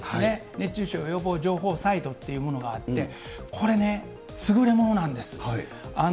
熱中症予防情報サイトというものがあって、これね、優れものなんです。